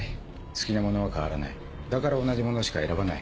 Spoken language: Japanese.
好きなものは変わらないだから同じものしか選ばない。